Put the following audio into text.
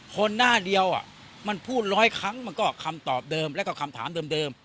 หน้าเดียวมันพูดร้อยครั้งมันก็คำตอบเดิมแล้วก็คำถามเดิม